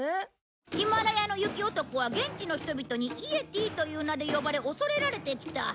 ヒマラヤの雪男は現地の人々に「イエティ」という名で呼ばれ恐れられてきた。